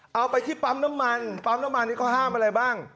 เอาไปที่ปั๊มน้ำมันปั๊มน้ำมันนี้เขาห้ามอะไรบ้าง